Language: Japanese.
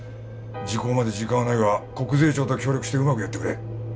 時効まで時間はないが国税庁と協力してうまくやってくれ。